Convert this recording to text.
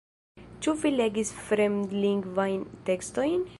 Ĉu vi legis fremdlingvajn tekstojn?